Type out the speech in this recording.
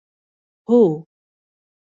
هو.